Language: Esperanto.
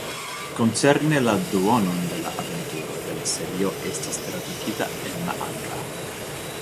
Koncerne la duonon de la aventuroj de la serio estis tradukita en la angla.